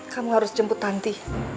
kamu harus jemput tanti